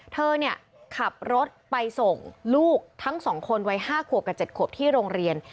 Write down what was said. เธอขับรถไปส่งลูกทั้ง๒คนวัย๕ขวบกับ๗ขวบที่โรงเรียน